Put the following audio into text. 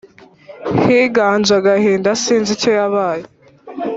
Higanje agahinda sinzi icyo yabaye